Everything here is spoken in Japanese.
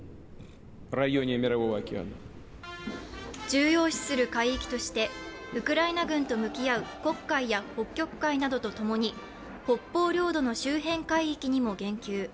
重要視する海域としてウクライナ軍と向き合う黒海や北極海などとともに北方領土の周辺海域にも言及。